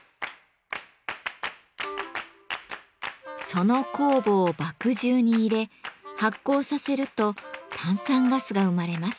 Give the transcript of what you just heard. その酵母を麦汁に入れ発酵させると炭酸ガスが生まれます。